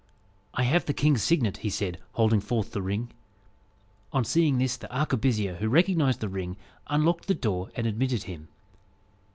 "I have the king's signet," he said, holding forth the ring. On seeing this, the arquebusier, who recognised the ring, unlocked the door, and admitted him.